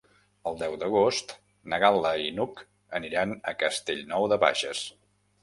El deu d'agost na Gal·la i n'Hug aniran a Castellnou de Bages.